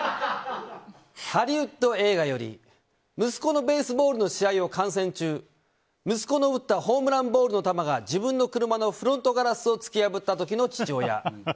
ハリウッド映画より息子のベースボールの試合を観戦中息子が打ったホームランの球が自分の車のフロントガラスを突き破った時の父親。